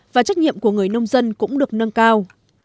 và trách nhiệm của người nông dân cũng được nâng cao